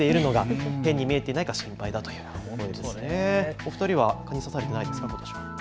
お二人は蚊に刺されてないですか？